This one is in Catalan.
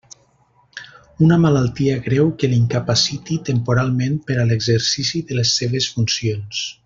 Una malaltia greu que l'incapaciti temporalment per a l'exercici de les seves funcions.